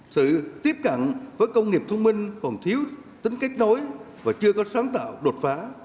sự tiếp cận với công nghiệp thông minh còn thiếu tính kết nối và chưa có sáng tạo đột phá